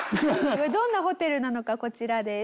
どんなホテルなのかこちらです。